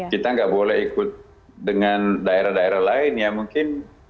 kita nggak boleh ikut dengan daerah daerah lain ya mungkin